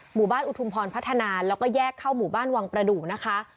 หมู่บ้านอุทุมพรพัฒนาแล้วก็แยกเข้าหมู่บ้านวังประดูกนะคะ